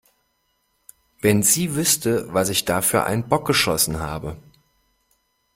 Wenn sie wüsste, was ich da für einen Bock geschossen habe!